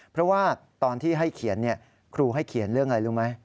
เพราะว่าตอนที่ให้เขียนครูให้เขียนเรื่องอะไรรู้ไหม